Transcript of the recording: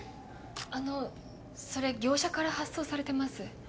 あのそれ業者から発送されてます。